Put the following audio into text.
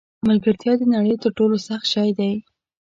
ملګرتیا د نړۍ تر ټولو سخت شی دی.